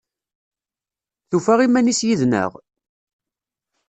Tufa iman-is yid-neɣ?